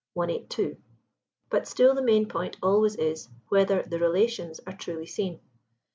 182. But still the main point always is, whether the relations are truly seen.